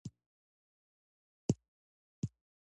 د وچکالۍ پر مهال اوبه مدیریت کیږي.